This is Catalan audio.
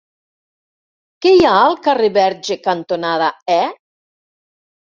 Què hi ha al carrer Verge cantonada E?